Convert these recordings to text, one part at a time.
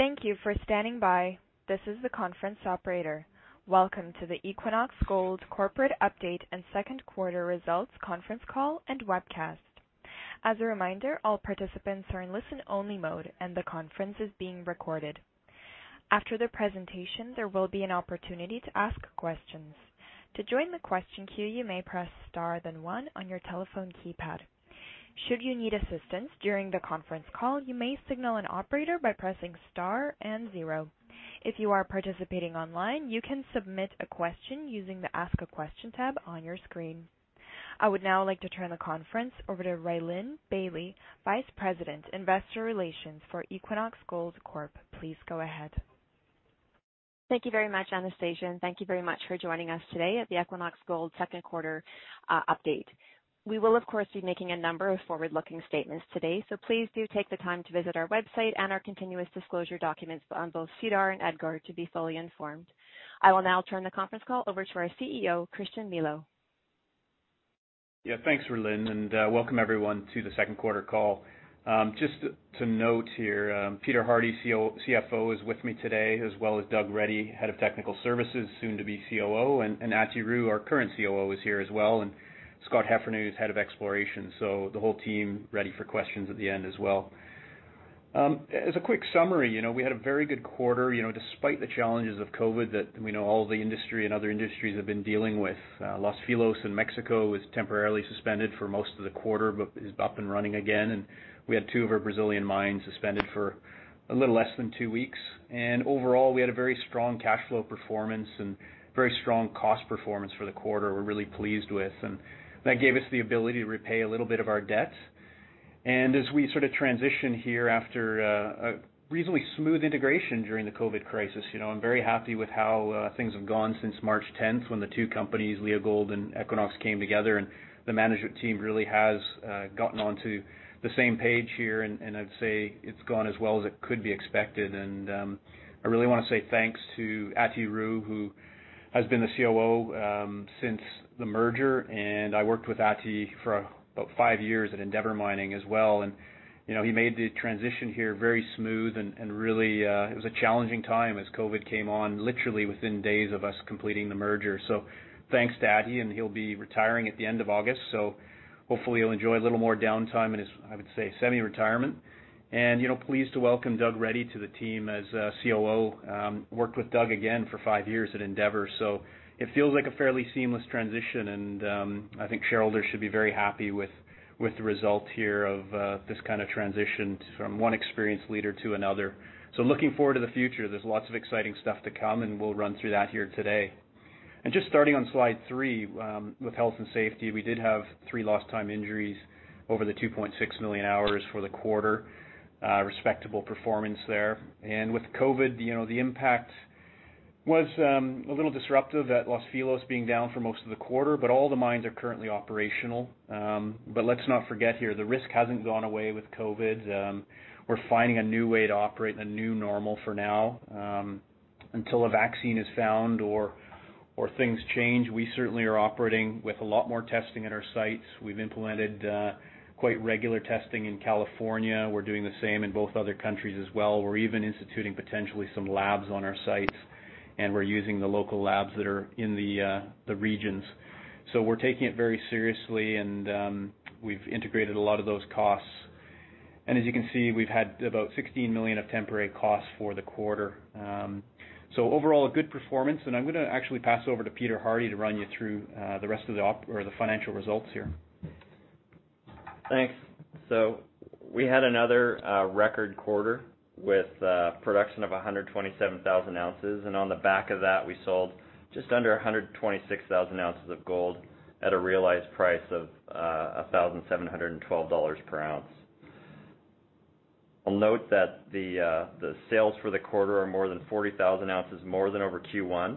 Thank you for standing by. This is the conference operator. Welcome to the Equinox Gold corporate update and second quarter results conference call and webcast. As a reminder, all participants are in listen-only mode, and the conference is being recorded. After the presentation, there will be an opportunity to ask questions. To join the question queue, you may press star then one on your telephone keypad. Should you need assistance during the conference call, you may signal an operator by pressing star and zero. If you are participating online, you can submit a question using the Ask a Question tab on your screen. I would now like to turn the conference over to Rhylin Bailie, Vice President, Investor Relations for Equinox Gold Corp. Please go ahead. Thank you very much, Anastasia, and thank you very much for joining us today at the Equinox Gold second quarter update. We will, of course, be making a number of forward-looking statements today, so please do take the time to visit our website and our continuous disclosure documents on both SEDAR and EDGAR to be fully informed. I will now turn the conference call over to our CEO, Christian Milau. Thanks, Rhylin, and welcome everyone to the second quarter call. Just to note here, Peter Hardie, CFO, is with me today, as well as Doug Reddy, Head of Technical Services, soon to be COO, and Attie Roux, our current COO, is here as well, and Scott Heffernan, who's Head of Exploration. The whole team ready for questions at the end as well. As a quick summary, we had a very good quarter despite the challenges of COVID that we know all of the industry and other industries have been dealing with. Los Filos in Mexico was temporarily suspended for most of the quarter but is up and running again, and we had two of our Brazilian mines suspended for a little less than two weeks. Overall, we had a very strong cash flow performance and very strong cost performance for the quarter we're really pleased with, and that gave us the ability to repay a little bit of our debt. As we transition here after a reasonably smooth integration during the COVID crisis, I'm very happy with how things have gone since March 10th when the two companies, Leagold and Equinox, came together, and the management team really has gotten onto the same page here, and I'd say it's gone as well as it could be expected. I really want to say thanks to Attie Roux, who has been the COO since the merger. I worked with Attie for about five years at Endeavour Mining as well, and he made the transition here very smooth. Really, it was a challenging time as COVID came on literally within days of us completing the merger. Thanks to Attie, and he'll be retiring at the end of August, so hopefully he'll enjoy a little more downtime in his, I would say, semi-retirement. Pleased to welcome Doug Reddy to the team as COO. Worked with Doug, again, for five years at Endeavour, so it feels like a fairly seamless transition, and I think shareholders should be very happy with the result here of this kind of transition from one experienced leader to another. Looking forward to the future, there's lots of exciting stuff to come, and we'll run through that here today. Just starting on slide three, with health and safety, we did have three lost time injuries over the 2.6 million hours for the quarter. A respectable performance there. With COVID, the impact was a little disruptive at Los Filos being down for most of the quarter. All the mines are currently operational. Let's not forget here, the risk hasn't gone away with COVID. We're finding a new way to operate and a new normal for now. Until a vaccine is found or things change, we certainly are operating with a lot more testing at our sites. We've implemented quite regular testing in California. We're doing the same in both other countries as well. We're even instituting potentially some labs on our sites. We're using the local labs that are in the regions. We're taking it very seriously. We've integrated a lot of those costs. As you can see, we've had about $16 million of temporary costs for the quarter. Overall, a good performance. I'm going to actually pass over to Peter Hardie to run you through the rest of the op or the financial results here. Thanks. We had another record quarter with production of 127,000 ounces, and on the back of that, we sold just under 126,000 ounces of gold at a realized price of $1,712 per ounce. I'll note that the sales for the quarter are more than 40,000 ounces more than over Q1,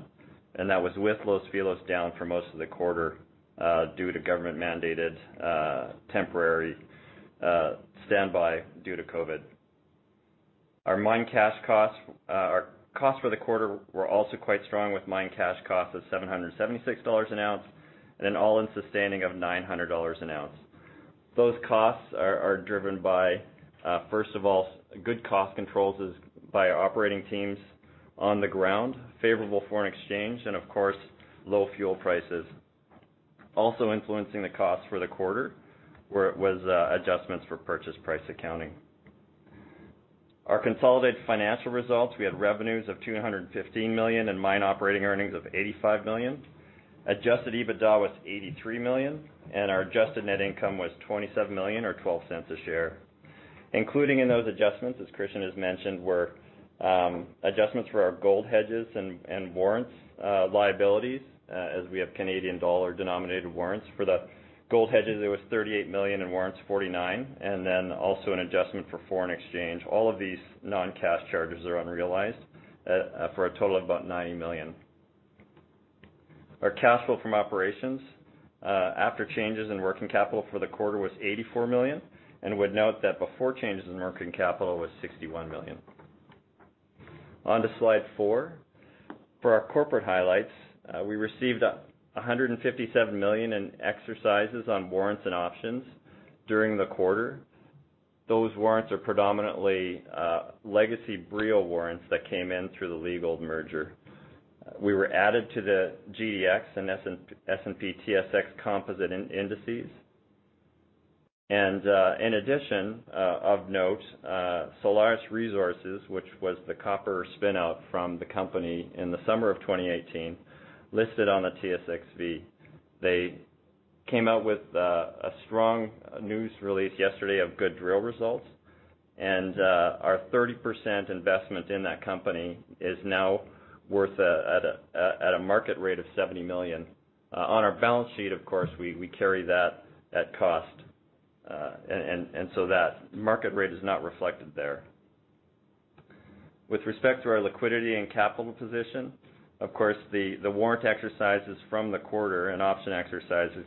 and that was with Los Filos down for most of the quarter, due to government-mandated temporary standby due to COVID. Our costs for the quarter were also quite strong, with mine cash costs of $776 an ounce and an all-in sustaining of $900 an ounce. Those costs are driven by, first of all, good cost controls by our operating teams on the ground, favorable foreign exchange, and of course, low fuel prices. Also influencing the cost for the quarter was adjustments for purchase price accounting. Our consolidated financial results, we had revenues of $215 million and mine operating earnings of $85 million. Adjusted EBITDA was $83 million, and our adjusted net income was $27 million or $0.12 a share. Including in those adjustments, as Christian Milau has mentioned, were adjustments for our gold hedges and warrants liabilities, as we have Canadian dollar-denominated warrants. For the gold hedges, it was $38 million, and warrants $49 million, and then also an adjustment for foreign exchange. All of these non-cash charges are unrealized for a total of about $90 million. Our cash flow from operations after changes in working capital for the quarter was $84 million, and would note that before changes in working capital was $61 million. On to slide four. For our corporate highlights, we received $157 million in exercises on warrants and options during the quarter. Those warrants are predominantly legacy Brio warrants that came in through the Leagold merger. We were added to the GDX and S&P/TSX Composite indices. In addition, Solaris Resources, which was the copper spin-out from the company in the summer of 2018, listed on the TSXV. They came out with a strong news release yesterday of good drill results, and our 30% investment in that company is now worth at a market rate of $70 million. On our balance sheet, of course, we carry that at cost. So that market rate is not reflected there. With respect to our liquidity and capital position, of course, the warrant exercises from the quarter and option exercises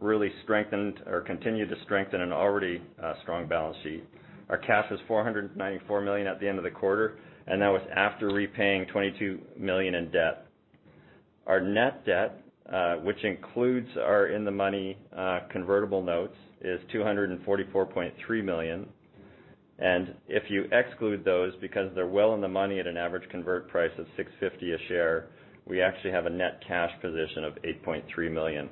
really strengthened or continued to strengthen an already strong balance sheet. Our cash was $494 million at the end of the quarter, and that was after repaying $22 million in debt. Our net debt, which includes our in-the-money convertible notes, is $244.3 million. If you exclude those, because they're well in the money at an average convert price of $6.50 a share, we actually have a net cash position of $8.3 million.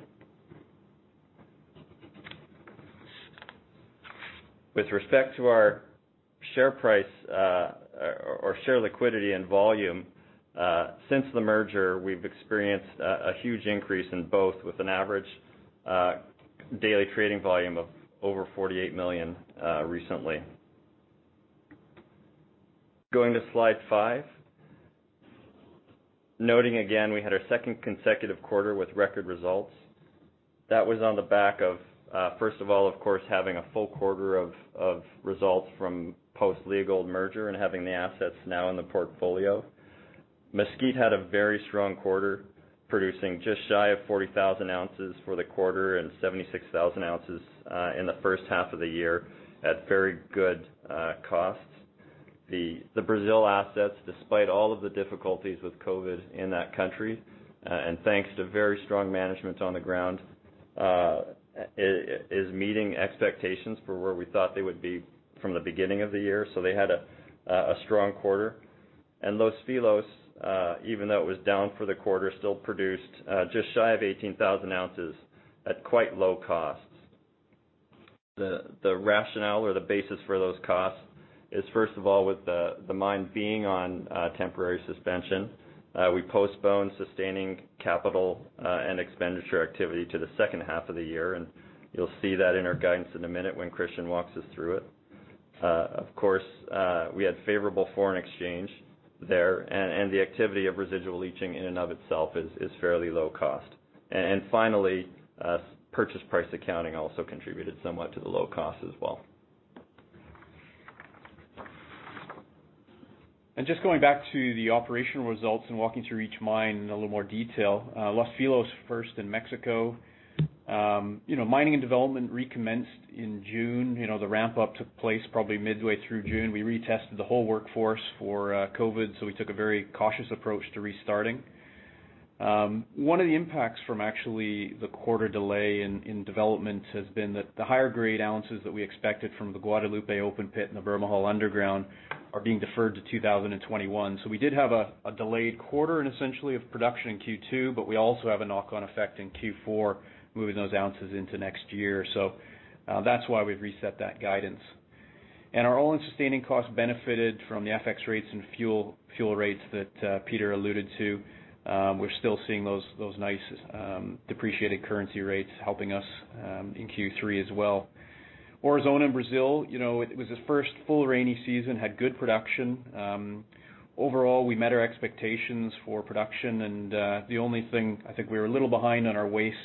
With respect to our share price or share liquidity and volume, since the merger, we've experienced a huge increase in both, with an average daily trading volume of over 48 million recently. Going to slide five. Noting again, we had our second consecutive quarter with record results. That was on the back of first of all, of course, having a full quarter of results from post-Leagold merger and having the assets now in the portfolio. Mesquite had a very strong quarter, producing just shy of 40,000 ounces for the quarter and 76,000 ounces in the first half of the year at very good costs. The Brazil assets, despite all of the difficulties with COVID in that country, and thanks to very strong management on the ground, is meeting expectations for where we thought they would be from the beginning of the year. They had a strong quarter. Los Filos, even though it was down for the quarter, still produced just shy of 18,000 ounces at quite low costs. The rationale or the basis for those costs is, first of all, with the mine being on temporary suspension, we postponed sustaining capital and expenditure activity to the second half of the year, and you'll see that in our guidance in a minute when Christian walks us through it. Of course, we had favorable foreign exchange there, and the activity of residual leaching in and of itself is fairly low cost. Finally, purchase price accounting also contributed somewhat to the low cost as well. Just going back to the operational results and walking through each mine in a little more detail. Los Filos first in Mexico. Mining and development recommenced in June. The ramp-up took place probably midway through June. We retested the whole workforce for COVID, so we took a very cautious approach to restarting. One of the impacts from actually the quarter delay in development has been that the higher-grade ounces that we expected from the Guadalupe open pit and the Bermejal underground are being deferred to 2021. We did have a delayed quarter and essentially of production in Q2, but we also have a knock-on effect in Q4, moving those ounces into next year. That's why we've reset that guidance. Our all-in sustaining costs benefited from the FX rates and fuel rates that Peter alluded to. We're still seeing those nice depreciated currency rates helping us in Q3 as well. Aurizona in Brazil, it was its first full rainy season, had good production. Overall, we met our expectations for production. The only thing, I think we were a little behind on our waste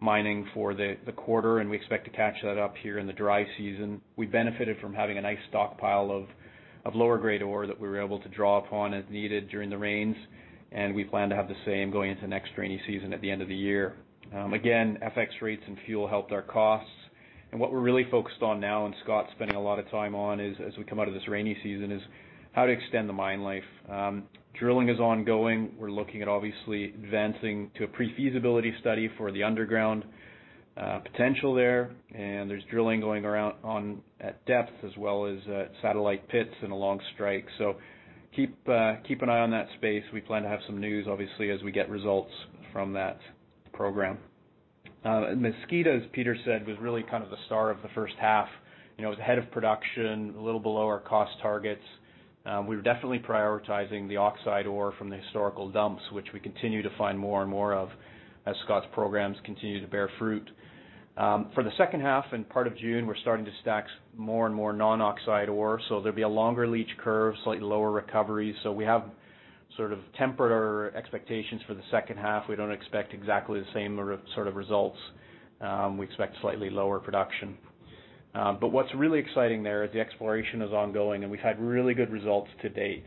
mining for the quarter. We expect to catch that up here in the dry season. We benefited from having a nice stockpile of lower-grade ore that we were able to draw upon as needed during the rains. We plan to have the same going into next rainy season at the end of the year. Again, FX rates and fuel helped our costs. What we're really focused on now, and Scott's spending a lot of time on, is as we come out of this rainy season, is how to extend the mine life. Drilling is ongoing. We're looking at obviously advancing to a pre-feasibility study for the underground potential there. There's drilling going around on at depth as well as satellite pits and a long strike. Keep an eye on that space. We plan to have some news, obviously, as we get results from that program. Mesquite, as Peter said, was really the star of the first half. It was ahead of production, a little below our cost targets. We were definitely prioritizing the oxide ore from the historical dumps, which we continue to find more and more of as Scott's programs continue to bear fruit. For the second half and part of June, we're starting to stack more and more non-oxide ore. There'll be a longer leach curve, slightly lower recovery. We have sort of tempered our expectations for the second half. We don't expect exactly the same sort of results. We expect slightly lower production. What's really exciting there is the exploration is ongoing, and we've had really good results to date.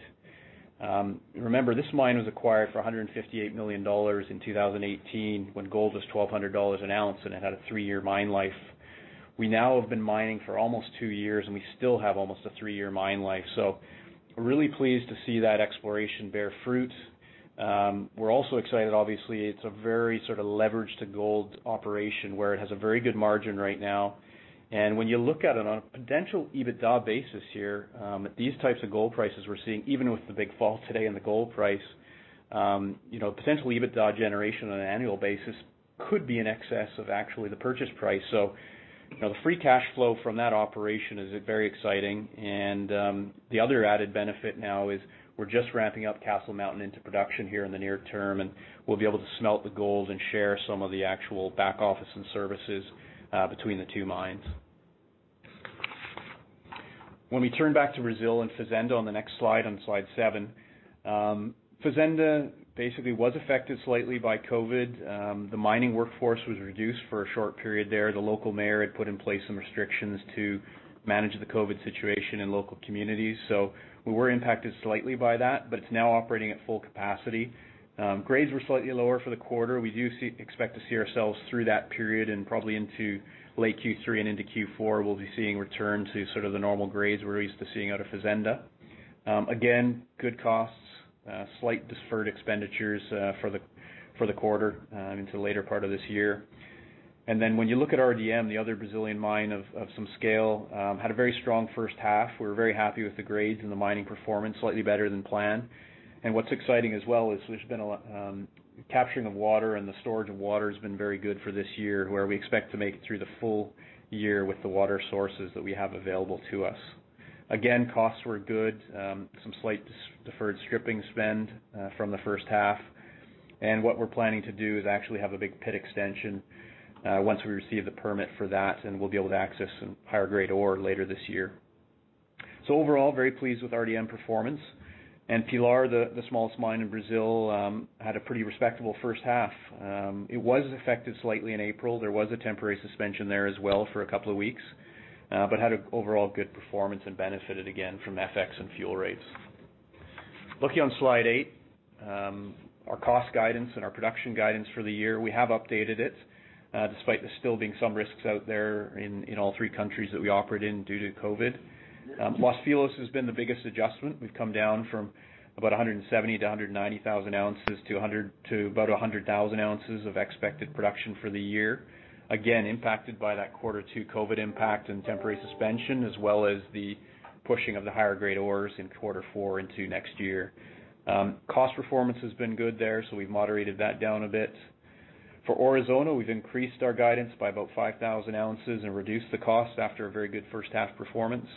Remember, this mine was acquired for $158 million in 2018 when gold was $1,200 an ounce, and it had a three year mine life. We now have been mining for almost two years, and we still have almost a three year mine life. We're really pleased to see that exploration bear fruit. We're also excited, obviously, it's a very sort of leverage to gold operation, where it has a very good margin right now. When you look at it on a potential EBITDA basis here, at these types of gold prices we're seeing, even with the big fall today in the gold price, potential EBITDA generation on an annual basis could be in excess of actually the purchase price. The free cash flow from that operation is very exciting. The other added benefit now is we're just ramping up Castle Mountain into production here in the near term, and we'll be able to smelt the gold and share some of the actual back office and services between the two mines. When we turn back to Brazil and Fazenda on the next slide, on slide seven. Fazenda basically was affected slightly by COVID. The mining workforce was reduced for a short period there. The local mayor had put in place some restrictions to manage the COVID situation in local communities. We were impacted slightly by that, but it's now operating at full capacity. Grades were slightly lower for the quarter. We do expect to see ourselves through that period, and probably into late Q3 and into Q4, we'll be seeing return to the normal grades we're used to seeing out of Aurizona. Good costs, slight deferred expenditures for the quarter into the later part of this year. When you look at RDM, the other Brazilian mine of some scale, had a very strong first half. We're very happy with the grades and the mining performance, slightly better than planned. What's exciting as well is capturing of water and the storage of water has been very good for this year, where we expect to make it through the full year with the water sources that we have available to us. Costs were good. Some slight deferred stripping spend from the first half. What we're planning to do is actually have a big pit extension, once we receive the permit for that, and we'll be able to access some higher grade ore later this year. Overall, very pleased with RDM performance. Pilar, the smallest mine in Brazil, had a pretty respectable first half. It was affected slightly in April. There was a temporary suspension there as well for a couple of weeks. Had an overall good performance and benefited again from FX and fuel rates. Looking on slide eight, our cost guidance and our production guidance for the year, we have updated it, despite there still being some risks out there in all three countries that we operate in due to COVID. Los Filos has been the biggest adjustment. We've come down from about 170,000-190,000 ounces to about 100,000 ounces of expected production for the year. Impacted by that quarter two COVID impact and temporary suspension, as well as the pushing of the higher grade ores in quarter four into next year. Cost performance has been good there, we've moderated that down a bit. For Aurizona, we've increased our guidance by about 5,000 ounces and reduced the cost after a very good first half performance.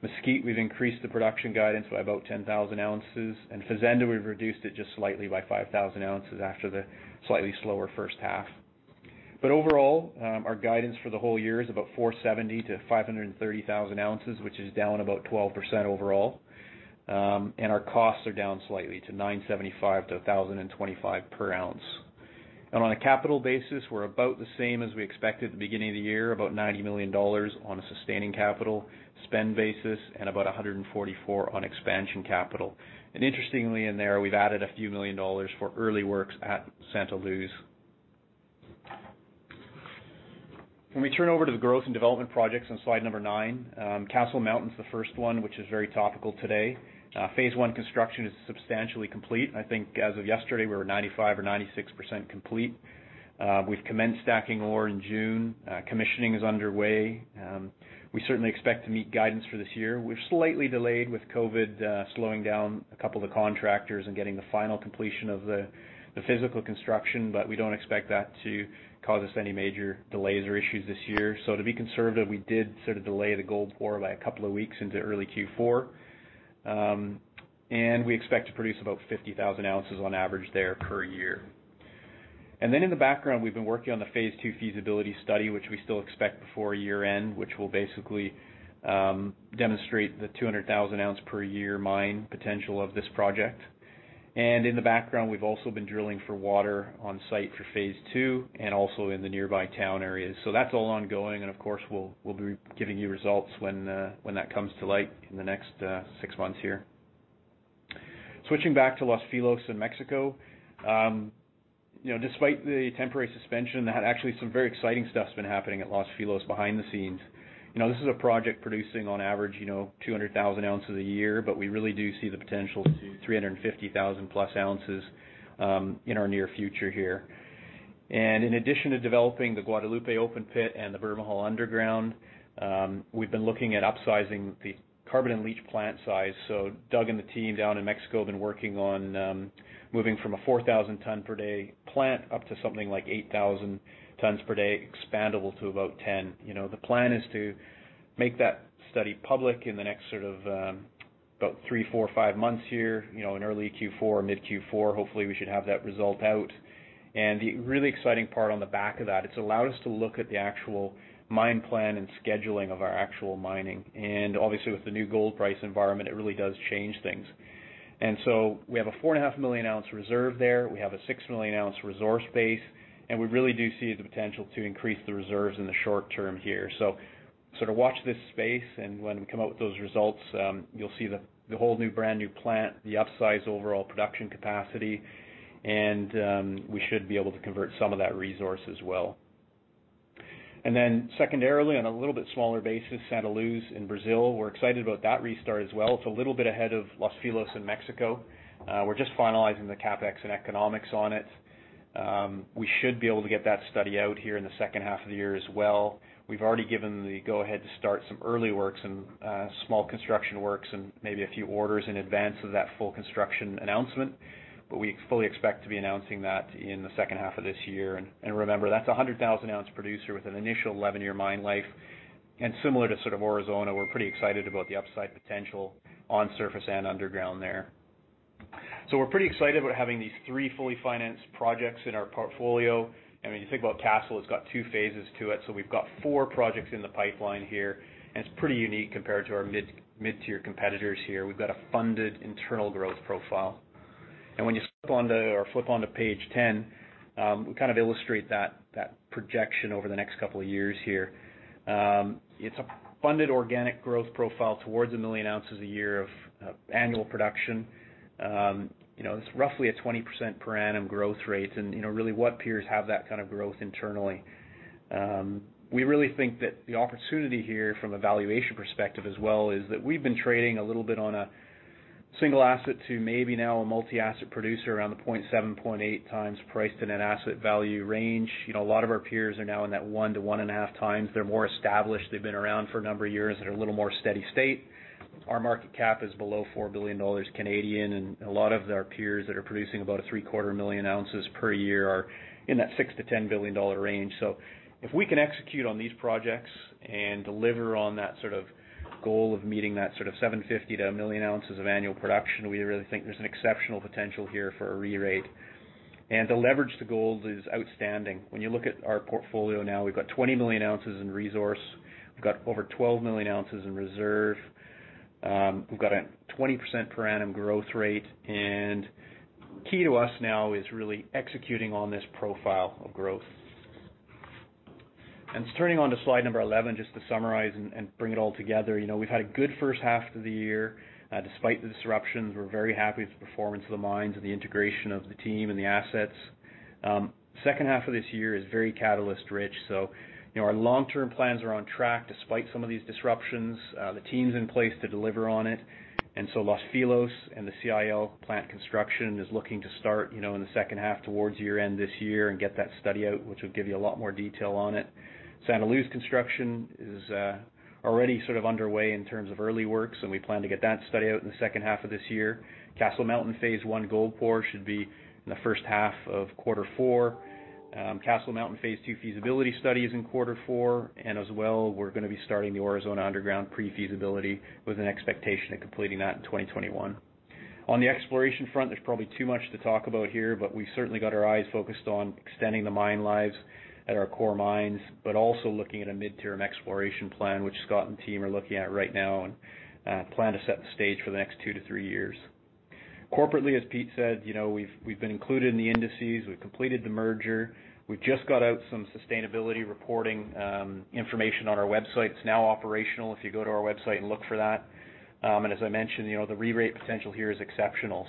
Mesquite, we've increased the production guidance by about 10,000 ounces. Fazenda, we've reduced it just slightly by 5,000 ounces after the slightly slower first half. Overall, our guidance for the whole year is about 470,000-530,000 ounces, which is down about 12% overall. Our costs are down slightly to $975-$1,025 per ounce. On a capital basis, we're about the same as we expected at the beginning of the year, about $90 million on a sustaining capital spend basis and about $144 on expansion capital. Interestingly in there, we've added a few million dollars for early works at Santa Luz. When we turn over to the growth and development projects on slide number nine, Castle Mountain's the first one, which is very topical today. Phase one construction is substantially complete. I think as of yesterday, we were 95% or 96% complete. We've commenced stacking ore in June. Commissioning is underway. We certainly expect to meet guidance for this year. We're slightly delayed with COVID slowing down a couple of the contractors and getting the final completion of the physical construction, but we don't expect that to cause us any major delays or issues this year. To be conservative, we did sort of delay the gold or by a couple of weeks into early Q4. We expect to produce about 50,000 ounces on average there per year. In the background, we've been working on the phase two feasibility study, which we still expect before year-end, which will basically demonstrate the 200,000 ounce per year mine potential of this project. In the background, we've also been drilling for water on site for phase two and also in the nearby town areas. That's all ongoing and, of course, we'll be giving you results when that comes to light in the next six months here. Switching back to Los Filos in Mexico. Despite the temporary suspension, actually some very exciting stuff's been happening at Los Filos behind the scenes. This is a project producing on average 200,000 ounces a year, but we really do see the potential to 350,000 plus ounces in our near future here. In addition to developing the Guadalupe open pit and the Bermejal underground, we've been looking at upsizing the carbon-in-leach plant size. Doug and the team down in Mexico have been working on moving from a 4,000 ton per day plant up to something like 8,000 tons per day, expandable to about 10. The plan is to make that study public in the next about three, four, five months here. In early Q4 or mid Q4, hopefully we should have that result out. The really exciting part on the back of that, it's allowed us to look at the actual mine plan and scheduling of our actual mining. Obviously with the new gold price environment, it really does change things. We have a four and a half million ounce reserve there. We have a 6 million ounce resource base, and we really do see the potential to increase the reserves in the short term here. Sort of watch this space, and when we come out with those results, you'll see the whole new brand new plant, the upsize overall production capacity, and we should be able to convert some of that resource as well. Secondarily, on a little bit smaller basis, Santa Luz in Brazil, we're excited about that restart as well. It's a little bit ahead of Los Filos in Mexico. We're just finalizing the CapEx and economics on it. We should be able to get that study out here in the second half of the year as well. We've already given the go-ahead to start some early works and small construction works and maybe a few orders in advance of that full construction announcement. We fully expect to be announcing that in the second half of this year. Remember, that's a 100,000-ounce producer with an initial 11-year mine life. Similar to sort of Aurizona, we're pretty excited about the upside potential on surface and underground there. We're pretty excited about having these three fully financed projects in our portfolio. When you think about Castle, it's got two phases to it. We've got four projects in the pipeline here, and it's pretty unique compared to our mid-tier competitors here. We've got a funded internal growth profile. When you flip onto page 10, we kind of illustrate that projection over the next couple of years here. It's a funded organic growth profile towards 1 million ounces a year of annual production. It's roughly a 20% per annum growth rate. Really what peers have that kind of growth internally? We really think that the opportunity here from a valuation perspective as well is that we've been trading a little bit on a single asset to maybe now a multi-asset producer around the 0.7, 0.8 times price to net asset value range. A lot of our peers are now in that one to one and a half times. They're more established. They've been around for a number of years and are a little more steady state. Our market cap is below 4 billion Canadian dollars, and a lot of our peers that are producing about a three-quarter million ounces per year are in that 6 billion-10 billion dollar range. If we can execute on these projects and deliver on that goal of meeting that sort of 750-1 million ounces of annual production, we really think there's an exceptional potential here for a re-rate. The leverage to gold is outstanding. When you look at our portfolio now, we've got 20 million ounces in resource. We've got over 12 million ounces in reserve. We've got a 20% per annum growth rate, and key to us now is really executing on this profile of growth. Turning on to slide 11, just to summarize and bring it all together. We've had a good first half of the year. Despite the disruptions, we're very happy with the performance of the mines and the integration of the team and the assets. Second half of this year is very catalyst rich. Our long-term plans are on track despite some of these disruptions. The team's in place to deliver on it. Los Filos and the CIL plant construction is looking to start in the second half towards year-end this year and get that study out, which will give you a lot more detail on it. Santa Luz construction is already sort of underway in terms of early works, and we plan to get that study out in the second half of this year. Castle Mountain phase one gold pour should be in the first half of Q4. Castle Mountain phase two feasibility study is in Q4, and as well, we're going to be starting the Aurizona underground pre-feasibility with an expectation of completing that in 2021. On the exploration front, there's probably too much to talk about here, but we've certainly got our eyes focused on extending the mine lives at our core mines, but also looking at a mid-term exploration plan, which Scott and team are looking at right now and plan to set the stage for the next two to three years. Corporately, as Pete said, we've been included in the indices. We've completed the merger. We've just got out some sustainability reporting information on our website. It's now operational if you go to our website and look for that. As I mentioned, the re-rate potential here is exceptional.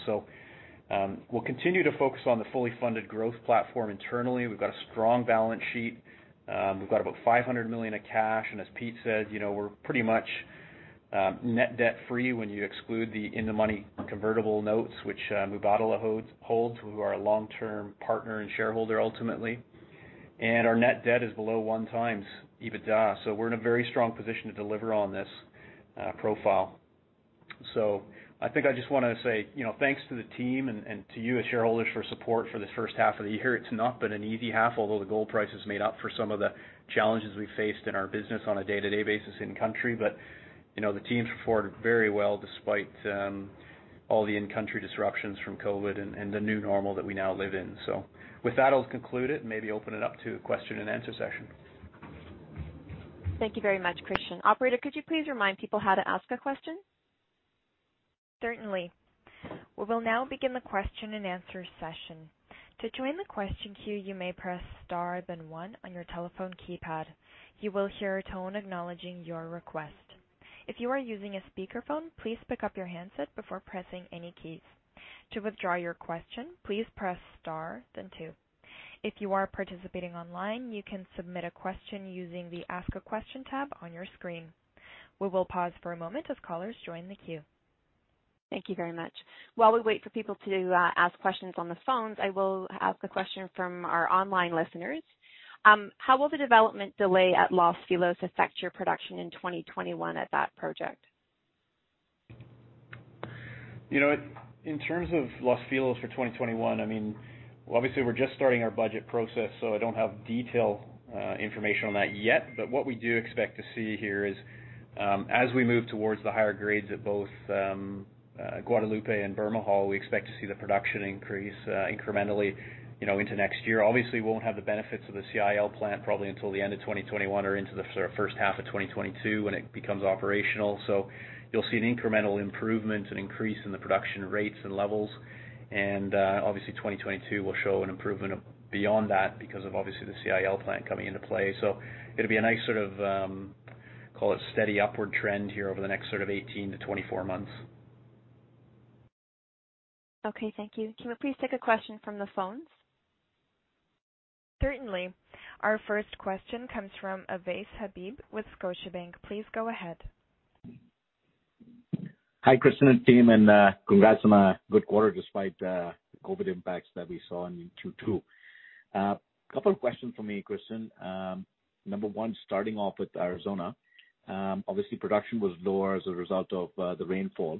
We'll continue to focus on the fully funded growth platform internally. We've got a strong balance sheet. We've got about $500 million of cash. As Pete said, we're pretty much net debt-free when you exclude the in-the-money convertible notes, which Mubadala holds, who are a long-term partner and shareholder ultimately. Our net debt is below one times EBITDA, so we're in a very strong position to deliver on this profile. I think I just want to say thanks to the team and to you as shareholders for support for this first half of the year. It's not been an easy half, although the gold prices made up for some of the challenges we faced in our business on a day-to-day basis in country. The team's performed very well despite all the in-country disruptions from COVID and the new normal that we now live in. With that, I'll conclude it and maybe open it up to a question and answer session. Thank you very much, Christian. Operator, could you please remind people how to ask a question? Certainly. We will now begin the question and answer session. To join the question queue, you may press star, then one on your telephone keypad. You will hear a tone acknowledging your request. If you are using a speakerphone, please pick up your handset before pressing any keys. To withdraw your question, please press star, then two. If you are participating online, you can submit a question using the Ask a Question tab on your screen. We will pause for a moment as callers join the queue. Thank you very much. While we wait for people to ask questions on the phones, I will ask a question from our online listeners. How will the development delay at Los Filos affect your production in 2021 at that project? In terms of Los Filos for 2021, obviously we're just starting our budget process, so I don't have detailed information on that yet. What we do expect to see here is as we move towards the higher grades at both Guadalupe and Bermejal, we expect to see the production increase incrementally into next year. Obviously, we won't have the benefits of the CIL plant probably until the end of 2021 or into the first half of 2022 when it becomes operational. You'll see an incremental improvement and increase in the production rates and levels. Obviously 2022 will show an improvement beyond that because of obviously the CIL plant coming into play. It'll be a nice sort of, call it steady upward trend here over the next sort of 18-24 months. Okay, thank you. Can we please take a question from the phones? Certainly. Our first question comes from Ovais Habib with Scotiabank. Please go ahead. Hi, Christian and team, congrats on a good quarter despite the COVID impacts that we saw in Q2. A couple of questions from me, Christian. Number one, starting off with Aurizona. Obviously, production was lower as a result of the rainfall,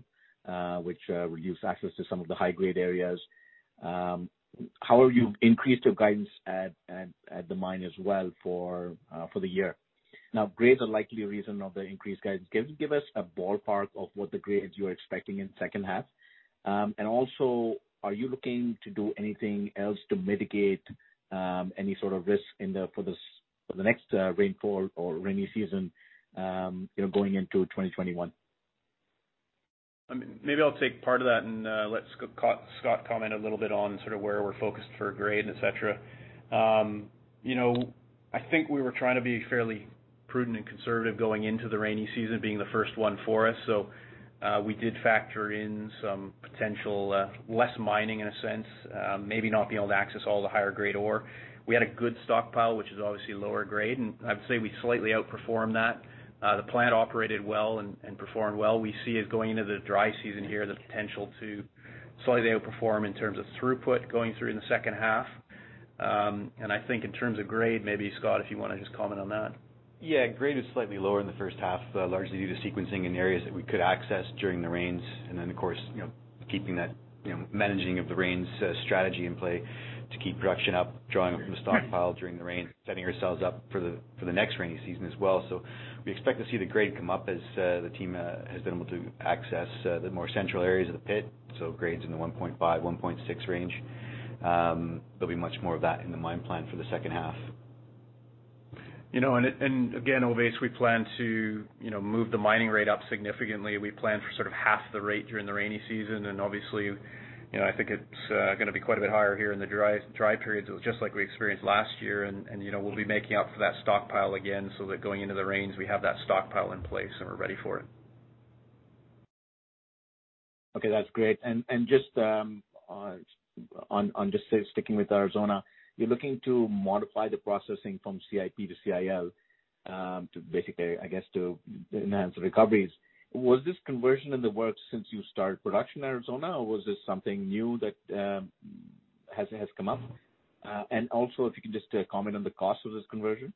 which reduced access to some of the high-grade areas. How have you increased your guidance at the mine as well for the year? Grades are likely a reason of the increased guidance. Give us a ballpark of what the grades you're expecting in the second half. Also, are you looking to do anything else to mitigate, any sort of risk for the next rainfall or rainy season, going into 2021? Maybe I'll take part of that and let Scott comment a little bit on sort of where we're focused for grade, et cetera. I think we were trying to be fairly prudent and conservative going into the rainy season, being the first one for us. We did factor in some potential less mining in a sense, maybe not being able to access all the higher grade ore. We had a good stockpile, which is obviously lower grade, and I'd say we slightly outperformed that. The plant operated well and performed well. We see it going into the dry season here, the potential to slightly outperform in terms of throughput going through in the second half. I think in terms of grade, maybe Scott, if you want to just comment on that. Yeah. Grade was slightly lower in the first half, largely due to sequencing in areas that we could access during the rains. Then, of course, keeping that managing of the rains strategy in play to keep production up, drawing from the stockpile during the rain, setting ourselves up for the next rainy season as well. We expect to see the grade come up as the team has been able to access the more central areas of the pit, so grades in the 1.5, 1.6 range. There'll be much more of that in the mine plan for the second half. Again, Ovais, we plan to move the mining rate up significantly. We planned for sort of half the rate during the rainy season. Obviously, I think it's going to be quite a bit higher here in the dry periods, just like we experienced last year. We'll be making up for that stockpile again so that going into the rains, we have that stockpile in place and we're ready for it. Okay, that's great. Just sticking with Aurizona, you're looking to modify the processing from CIP to CIL to basically, I guess, to enhance the recoveries. Was this conversion in the works since you started production in Aurizona, or was this something new that has come up? Also, if you can just comment on the cost of this conversion.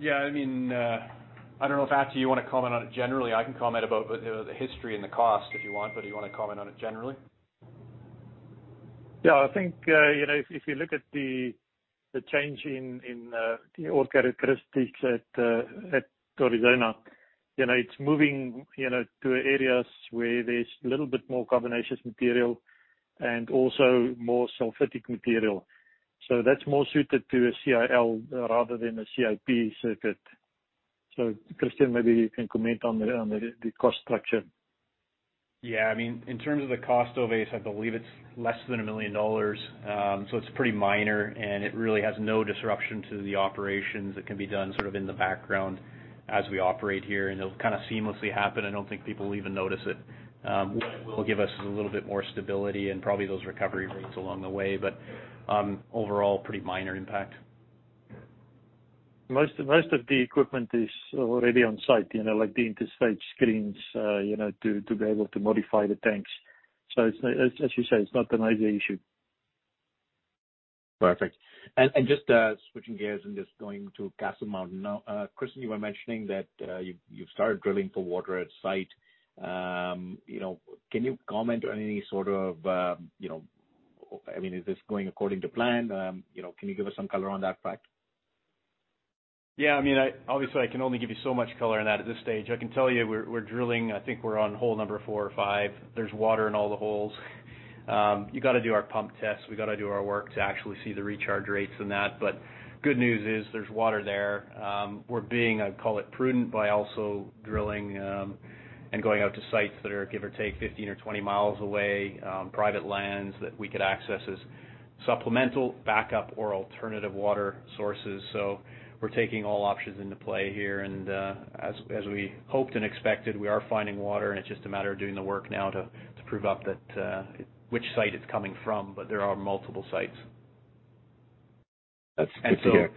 Yeah, I don't know if, Attie, you want to comment on it generally. I can comment about the history and the cost if you want, but do you want to comment on it generally? Yeah, I think, if you look at the change in the ore characteristics at Aurizona, it's moving to areas where there's a little bit more carbonaceous material and also more sulfidic material. That's more suited to a CIL rather than a CIP circuit. Christian, maybe you can comment on the cost structure. In terms of the cost, Ovais, I believe it's less than $1 million. It's pretty minor and it really has no disruption to the operations. It can be done sort of in the background as we operate here, and it'll kind of seamlessly happen. I don't think people will even notice it. What it will give us is a little bit more stability and probably those recovery rates along the way, but overall pretty minor impact. Most of the equipment is already on site, like the interstage screens, to be able to modify the tanks. As you say, it's not a major issue. Perfect. Just switching gears and just going to Castle Mountain now. Christian, you were mentioning that you've started drilling for water at site. Can you comment on any sort of? Is this going according to plan? Can you give us some color on that fact? Yeah. Obviously, I can only give you so much color on that at this stage. I can tell you we're drilling, I think we're on hole number four or five. There's water in all the holes. We've got to do our pump tests. We've got to do our work to actually see the recharge rates in that. The good news is there's water there. We're being, I'd call it prudent by also drilling and going out to sites that are give or take 15 mi or 20 mi away, private lands that we could access as supplemental backup or alternative water sources. We're taking all options into play here. As we hoped and expected, we are finding water, and it's just a matter of doing the work now to prove up that which site it's coming from, but there are multiple sites. That's good to hear.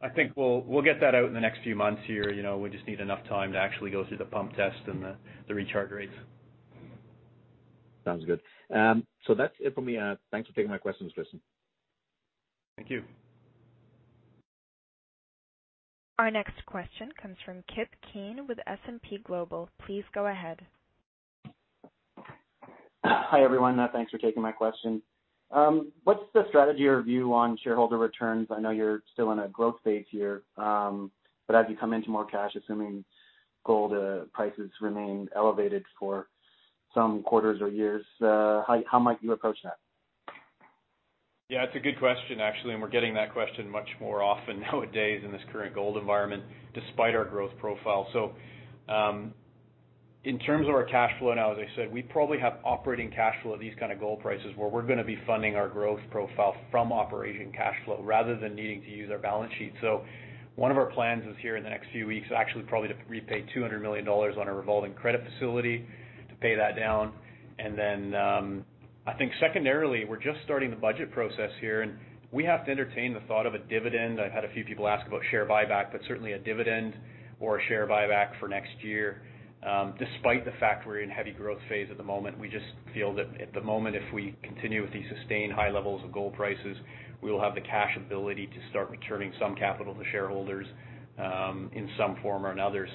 I think we'll get that out in the next few months here. We just need enough time to actually go through the pump test and the recharge rates. Sounds good. That's it for me. Thanks for taking my questions, Christian. Thank you. Our next question comes from Kip Keen with S&P Global. Please go ahead. Hi, everyone. Thanks for taking my question. What's the strategy or view on shareholder returns? I know you're still in a growth phase here. As you come into more cash, assuming gold prices remain elevated for some quarters or years, how might you approach that? It's a good question, actually, and we're getting that question much more often nowadays in this current gold environment, despite our growth profile. In terms of our cash flow now, as I said, we probably have operating cash flow at these kind of gold prices where we're going to be funding our growth profile from operating cash flow rather than needing to use our balance sheet. One of our plans is here in the next few weeks, actually probably to repay $200 million on a revolving credit facility to pay that down. I think secondarily, we're just starting the budget process here, and we have to entertain the thought of a dividend. I've had a few people ask about share buyback, but certainly a dividend or a share buyback for next year, despite the fact we're in heavy growth phase at the moment. We just feel that at the moment, if we continue with these sustained high levels of gold prices, we will have the cash ability to start returning some capital to shareholders, in some form or another.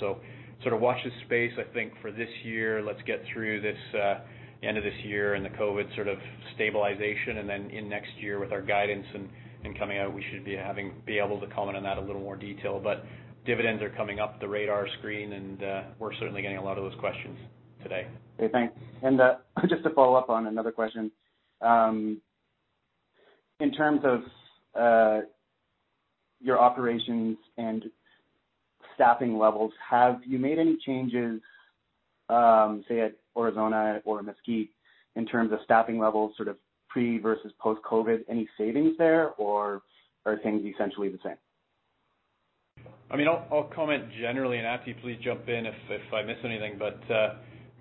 Watch this space, I think, for this year. Let's get through this end of this year and the COVID sort of stabilization. Then in next year with our guidance and coming out, we should be able to comment on that in a little more detail. Dividends are coming up the radar screen and we're certainly getting a lot of those questions today. Okay, thanks. Just to follow up on another question. In terms of your operations and staffing levels, have you made any changes, say, at Aurizona or Mesquite in terms of staffing levels, sort of pre versus post-COVID, any savings there, or are things essentially the same? I'll comment generally, and, Attie, please jump in if I miss anything.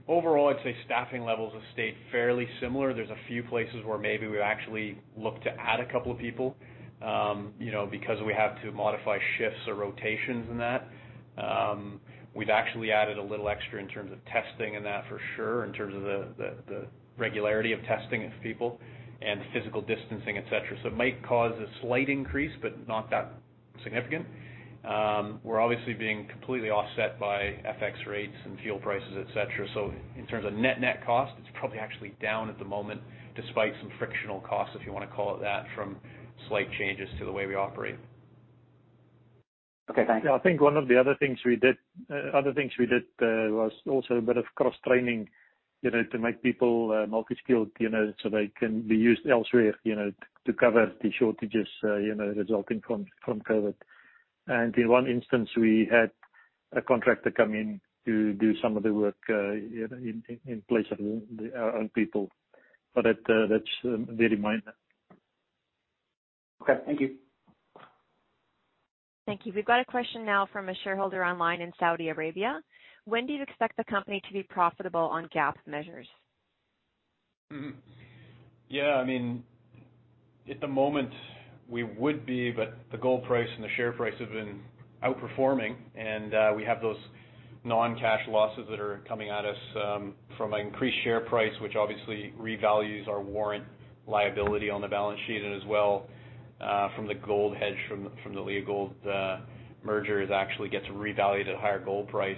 Overall, I'd say staffing levels have stayed fairly similar. There's a few places where maybe we've actually looked to add a couple of people, because we have to modify shifts or rotations and that. We've actually added a little extra in terms of testing and that for sure, in terms of the regularity of testing of people and physical distancing, et cetera. It might cause a slight increase, not that significant. We're obviously being completely offset by FX rates and fuel prices, et cetera. In terms of net cost, it's probably actually down at the moment despite some frictional costs, if you want to call it that, from slight changes to the way we operate. Okay, thanks. Yeah, I think one of the other things we did was also a bit of cross-training to make people multi-skilled, so they can be used elsewhere to cover the shortages resulting from COVID. In one instance, we had a contractor come in to do some of the work in place of our own people. That's very minor. Okay, thank you. Thank you. We've got a question now from a shareholder online in Saudi Arabia. When do you expect the company to be profitable on GAAP measures? Yeah. At the moment, we would be, but the gold price and the share price have been outperforming, and we have those non-cash losses that are coming at us from an increased share price, which obviously revalues our warrant liability on the balance sheet, and as well from the gold hedge from the Leagold merger, it actually gets revalued at a higher gold price.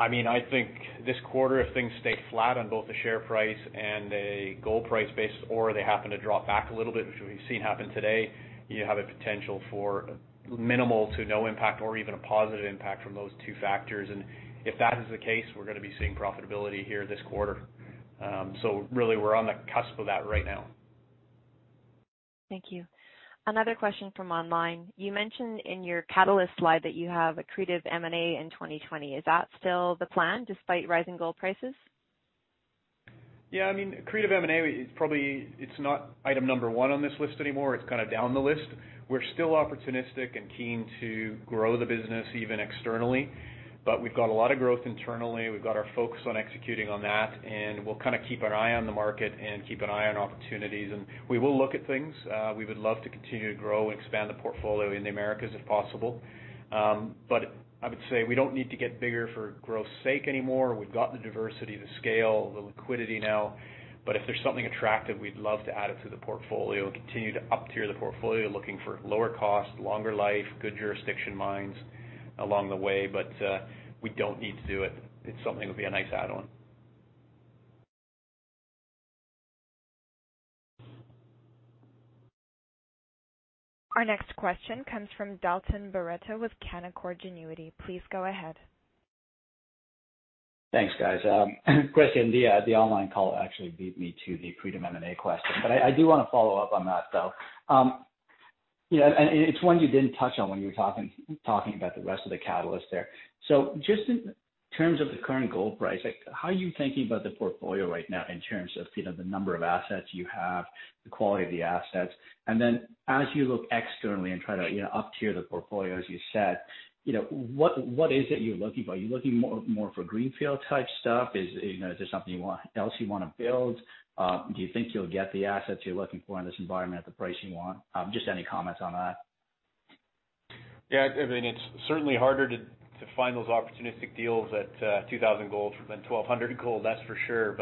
I think this quarter, if things stay flat on both the share price and a gold price basis, or they happen to drop back a little bit, which we've seen happen today, you have a potential for minimal to no impact or even a positive impact from those two factors. If that is the case, we're going to be seeing profitability here this quarter. Really, we're on the cusp of that right now. Thank you. Another question from online. You mentioned in your catalyst slide that you have accretive M&A in 2020. Is that still the plan despite rising gold prices? Yeah. Accretive M&A, it's not item number one on this list anymore. It's kind of down the list. We're still opportunistic and keen to grow the business even externally, but we've got a lot of growth internally. We've got our focus on executing on that, and we'll kind of keep our eye on the market and keep an eye on opportunities. We will look at things. We would love to continue to grow and expand the portfolio in the Americas if possible. I would say we don't need to get bigger for growth's sake anymore. We've got the diversity, the scale, the liquidity now. If there's something attractive, we'd love to add it to the portfolio and continue to up-tier the portfolio, looking for lower cost, longer life, good jurisdiction mines along the way. We don't need to do it. It's something that would be a nice add-on. Our next question comes from Dalton Baretto with Canaccord Genuity. Please go ahead. Thanks, guys. Christian, the online call actually beat me to the accretive M&A question. I do want to follow up on that, though. It's one you didn't touch on when you were talking about the rest of the catalysts there. Just in terms of the current gold price, how are you thinking about the portfolio right now in terms of the number of assets you have, the quality of the assets? Then as you look externally and try to up-tier the portfolio, as you said, what is it you're looking for? Are you looking more for greenfield type stuff? Is there something else you want to build? Do you think you'll get the assets you're looking for in this environment at the price you want? Just any comments on that. Yeah. It's certainly harder to find those opportunistic deals at 2,000 gold than 1,200 gold, that's for sure.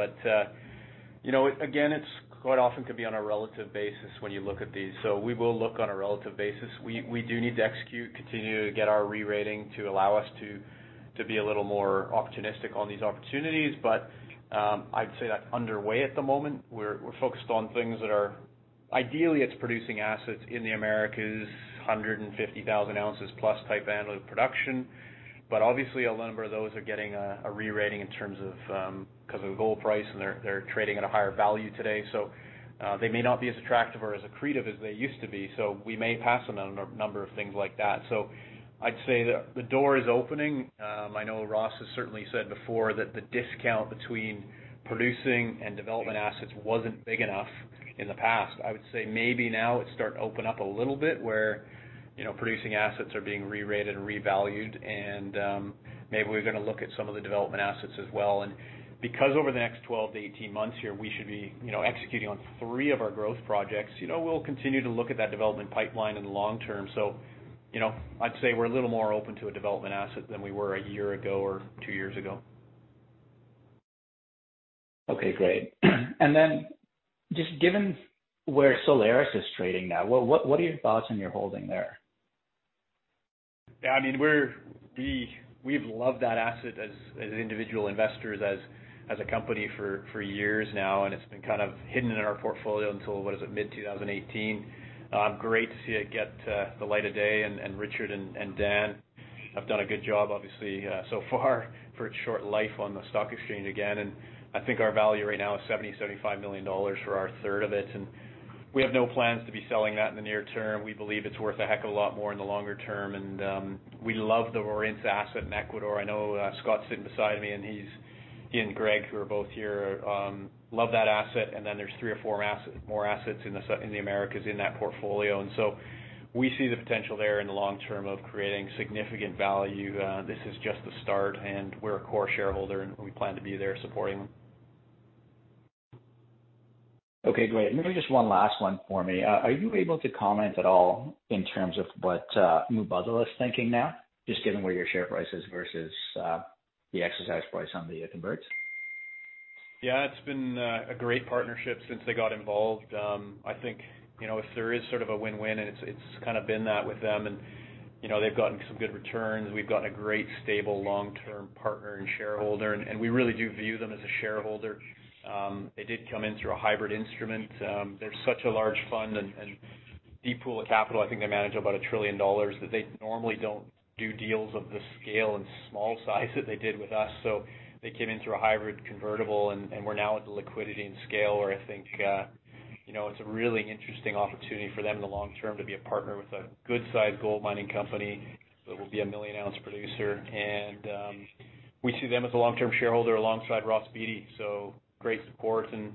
Again, it quite often could be on a relative basis when you look at these. We will look on a relative basis. We do need to execute, continue to get our re-rating to allow us to be a little more opportunistic on these opportunities. I'd say that's underway at the moment. We're focused on things that are, ideally, it's producing assets in the Americas, 150,000 ounces plus type annual production. Obviously, a number of those are getting a re-rating because of the gold price, and they're trading at a higher value today. They may not be as attractive or as accretive as they used to be. We may pass on a number of things like that. I'd say the door is opening. I know Ross has certainly said before that the discount between producing and development assets wasn't big enough in the past. I would say maybe now it's starting to open up a little bit, where producing assets are being re-rated and revalued, and maybe we're going to look at some of the development assets as well. Because over the next 12-18 months here, we should be executing on three of our growth projects, we'll continue to look at that development pipeline in the long term. I'd say we're a little more open to a development asset than we were a year ago or two years ago. Just given where Solaris is trading now, what are your thoughts on your holding there? We've loved that asset as individual investors, as a company for years now, and it's been kind of hidden in our portfolio until, what is it? Mid-2018. Great to see it get the light of day, and Richard and Dan have done a good job, obviously, so far for its short life on the stock exchange again. I think our value right now is $70 million-$75 million for our third of it, and we have no plans to be selling that in the near term. We believe it's worth a heck of a lot more in the longer term, and we love the Warintza asset in Ecuador. I know Scott's sitting beside me, and he and Greg, who are both here, love that asset. There's three or four more assets in the Americas in that portfolio. We see the potential there in the long term of creating significant value. This is just the start, and we're a core shareholder, and we plan to be there supporting them. Okay, great. Maybe just one last one for me. Are you able to comment at all in terms of what Mubadala is thinking now, just given where your share price is versus the exercise price on the converts? Yeah, it's been a great partnership since they got involved. I think, if there is sort of a win-win, it's kind of been that with them. They've gotten some good returns. We've gotten a great stable, long-term partner and shareholder, and we really do view them as a shareholder. They did come in through a hybrid instrument. They're such a large fund and deep pool of capital, I think they manage about $1 trillion, that they normally don't do deals of the scale and small size that they did with us. They came in through a hybrid convertible, and we're now at the liquidity and scale where I think it's a really interesting opportunity for them in the long term to be a partner with a good-sized gold mining company that will be a million-ounce producer. We see them as a long-term shareholder alongside Ross Beaty, so great support, and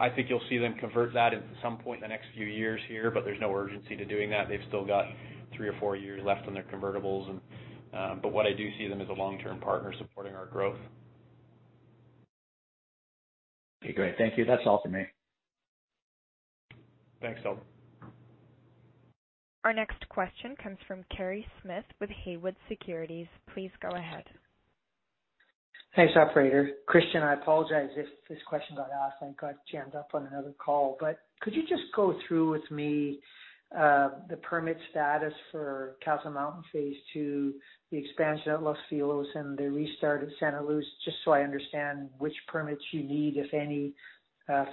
I think you'll see them convert that at some point in the next few years here, but there's no urgency to doing that. They've still got three or four years left on their convertibles. What I do see them as a long-term partner supporting our growth. Okay, great. Thank you. That's all for me. Thanks, Dalton. Our next question comes from Kerry Smith with Haywood Securities. Please go ahead. Thanks, operator. Christian, I apologize if this question got asked. I got jammed up on another call. Could you just go through with me the permit status for Castle Mountain phase two, the expansion at Los Filos, and the restart at Santa Luz, just so I understand which permits you need, if any,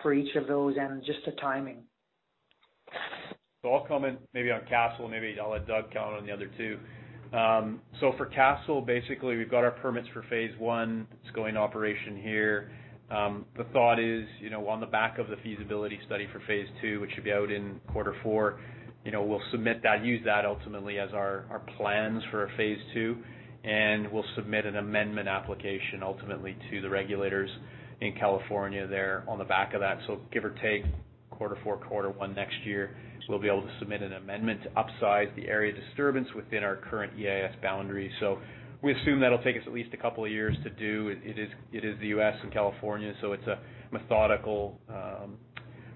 for each of those, and just the timing? I'll comment maybe on Castle, maybe I'll let Doug comment on the other two. For Castle, basically we've got our permits for phase one. It's going to operation here. The thought is, on the back of the feasibility study for phase two, which should be out in quarter four, we'll submit that, use that ultimately as our plans for phase two, and we'll submit an amendment application ultimately to the regulators in California there on the back of that. Give or take quarter four, quarter one next year, we'll be able to submit an amendment to upsize the area disturbance within our current EIS boundary. We assume that'll take us at least a couple of years to do. It is the U.S. and California, it's a methodical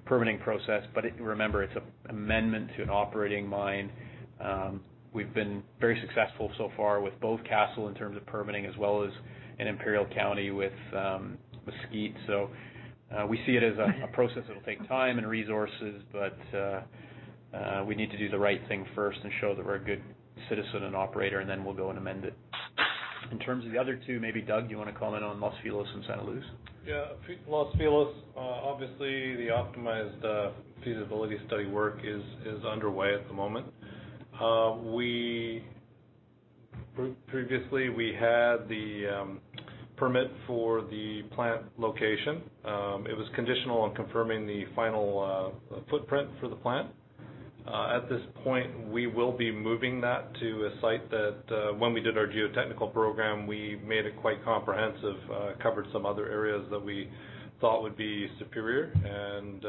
permitting process. Remember, it's an amendment to an operating mine. We've been very successful so far with both Castle in terms of permitting as well as in Imperial County with Mesquite. We see it as a process that'll take time and resources, but we need to do the right thing first and show that we're a good citizen and operator, and then we'll go and amend it. In terms of the other two, maybe Doug, you want to comment on Los Filos and Santa Luz? Yeah. Los Filos, obviously the optimized feasibility study work is underway at the moment. Previously, we had the permit for the plant location. It was conditional on confirming the final footprint for the plant. At this point, we will be moving that to a site that, when we did our geotechnical program, we made it quite comprehensive, covered some other areas that we thought would be superior, and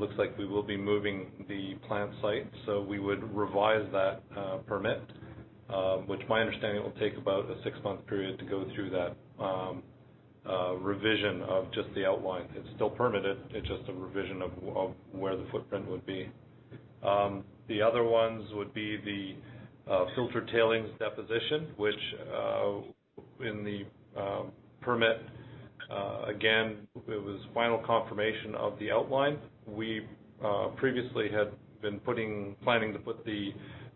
looks like we will be moving the plant site. We would revise that permit, which my understanding, it will take about a six-month period to go through that revision of just the outlines. It is still permitted, it is just a revision of where the footprint would be. The other ones would be the filtered tailings deposition, which, in the permit, again, it was final confirmation of the outline. We previously had been planning to put the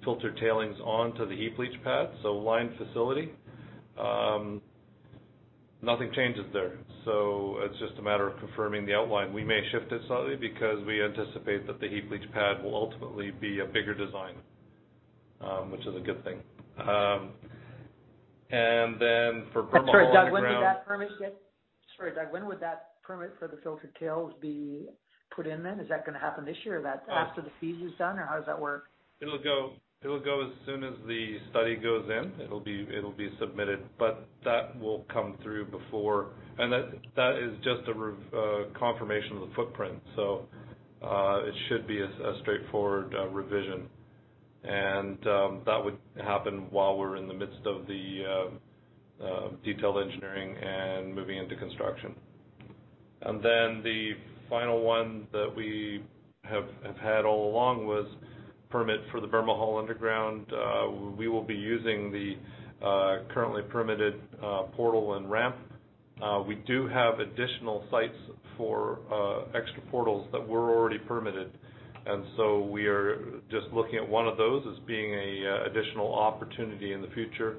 filtered tailings onto the heap leach pad, so line facility. Nothing changes there. It's just a matter of confirming the outline. We may shift it slightly because we anticipate that the heap leach pad will ultimately be a bigger design, which is a good thing. For Bermejal underground- Sorry, Doug, when would that permit for the filtered tails be put in then? Is that going to happen this year or that after the FEIS is done, or how does that work? It'll go as soon as the study goes in. It'll be submitted, but that will come through before. That is just a confirmation of the footprint, so it should be a straightforward revision. That would happen while we're in the midst of the detailed engineering and moving into construction. The final one that we have had all along was permit for the Bermejal underground. We will be using the currently permitted portal and ramp. We do have additional sites for extra portals that were already permitted, and so we are just looking at one of those as being an additional opportunity in the future.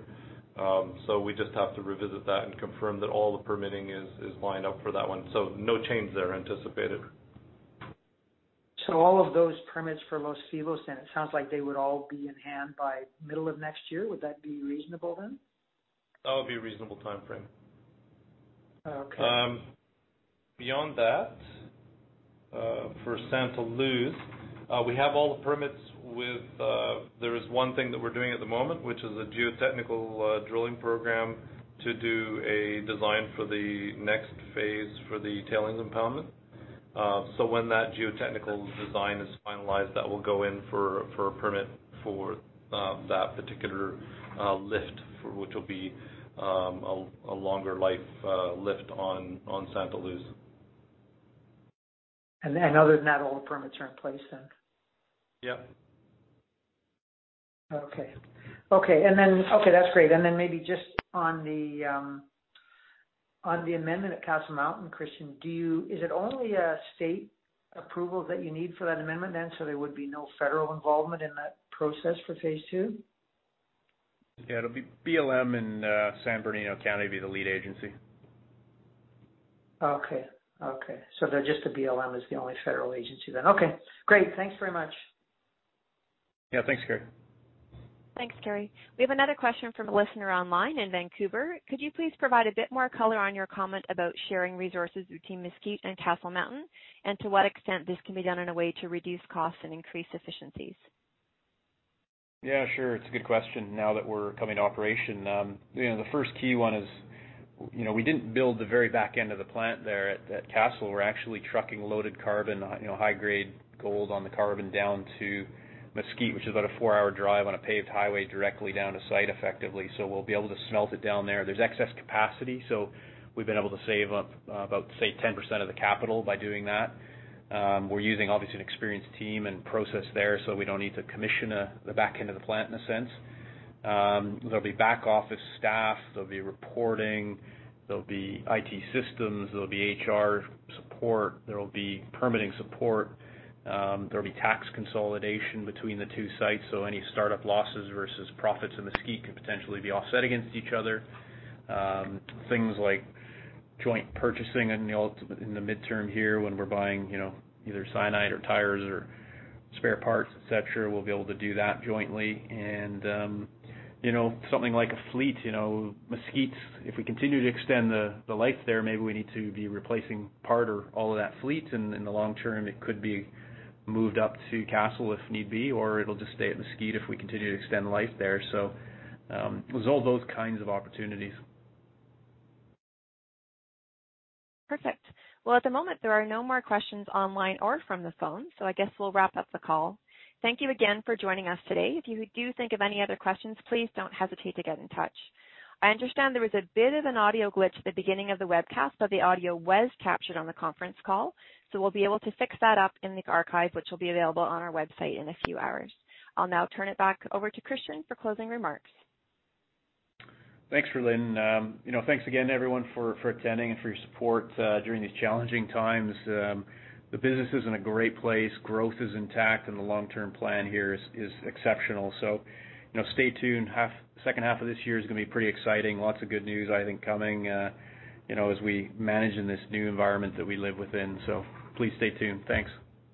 We just have to revisit that and confirm that all the permitting is lined up for that one. No change there anticipated. All of those permits for Los Filos, then it sounds like they would all be in hand by middle of next year. Would that be reasonable then? That would be a reasonable timeframe. Okay. Beyond that, for Santa Luz, we have all the permits with, there is one thing that we're doing at the moment, which is a geotechnical drilling program to do a design for the next phase for the tailings impoundment. When that geotechnical design is finalized, that will go in for a permit for that particular lift, which will be a longer life lift on Santa Luz. Other than that, all the permits are in place then? Yep. Okay. That's great. Maybe just on the amendment at Castle Mountain, Christian, is it only a state approval that you need for that amendment then, so there would be no federal involvement in that process for phase 2? Yeah, it'll be BLM and San Bernardino County will be the lead agency. Okay. Just the BLM is the only federal agency then. Okay, great. Thanks very much. Yeah. Thanks, Kerry. Thanks, Kerry. We have another question from a listener online in Vancouver. Could you please provide a bit more color on your comment about sharing resources between Mesquite and Castle Mountain, to what extent this can be done in a way to reduce costs and increase efficiencies? Yeah, sure. It's a good question now that we're coming to operation. The first key one is we didn't build the very back end of the plant there at Castle. We're actually trucking loaded carbon, high-grade gold on the carbon down to Mesquite, which is about a four-hour drive on a paved highway directly down to site effectively. We'll be able to smelt it down there. There's excess capacity, so we've been able to save up about, say, 10% of the capital by doing that. We're using obviously an experienced team and process there, so we don't need to commission the back end of the plant in a sense. There'll be back office staff, there'll be reporting, there'll be IT systems, there'll be HR support, there will be permitting support. There'll be tax consolidation between the two sites. Any startup losses versus profits in Mesquite could potentially be offset against each other. Things like joint purchasing in the midterm here when we're buying either cyanide or tires or spare parts, et cetera, we'll be able to do that jointly. Something like a fleet, Mesquite's, if we continue to extend the life there, maybe we need to be replacing part or all of that fleet. In the long term, it could be moved up to Castle if need be, or it'll just stay at Mesquite if we continue to extend life there. There's all those kinds of opportunities. Perfect. Well, at the moment, there are no more questions online or from the phone, I guess we'll wrap up the call. Thank you again for joining us today. If you do think of any other questions, please don't hesitate to get in touch. I understand there was a bit of an audio glitch at the beginning of the webcast, but the audio was captured on the conference call. We'll be able to fix that up in the archive, which will be available on our website in a few hours. I'll now turn it back over to Christian for closing remarks. Thanks, Rhylin. Thanks again, everyone, for attending and for your support during these challenging times. The business is in a great place. Growth is intact, and the long-term plan here is exceptional. Stay tuned. Second half of this year is going to be pretty exciting. Lots of good news, I think, coming as we manage in this new environment that we live within. Please stay tuned. Thanks.